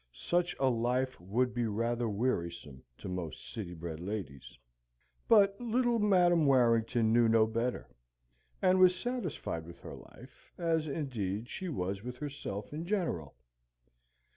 Such a life would be rather wearisome to most city bred ladies. But little Madam Warrington knew no better, and was satisfied with her life, as indeed she was with herself in general.